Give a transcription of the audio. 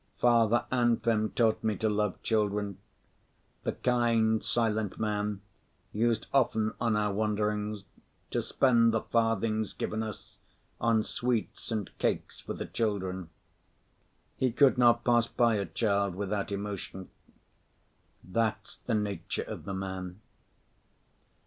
Father Anfim taught me to love children. The kind, silent man used often on our wanderings to spend the farthings given us on sweets and cakes for the children. He could not pass by a child without emotion. That's the nature of the man.